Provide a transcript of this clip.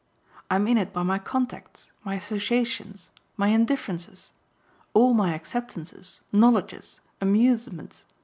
I'm in it by my contacts, my associations, my indifferences all my acceptances, knowledges, amusements.